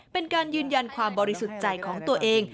เป็นการยืนยันความบริสุทธิ์ใจของตัวเอง